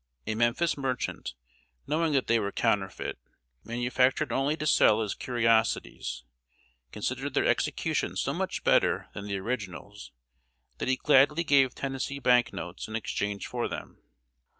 A Memphis merchant, knowing that they were counterfeit, manufactured only to sell as curiosities, considered their execution so much better than the originals, that he gladly gave Tennessee bank notes in exchange for them.